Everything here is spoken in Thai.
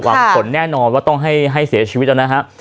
วางขนแน่นอนว่าต้องให้เสียชีวิตนะฮะ